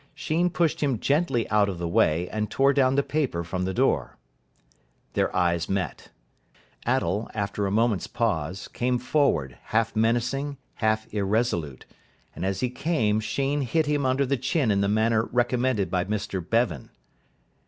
Sheen pushed him gently out of the way, and tore down the paper from the door. Their eyes met. Attell, after a moment's pause, came forward, half menacing, half irresolute; and as he came Sheen hit him under the chin in the manner recommended by Mr Bevan.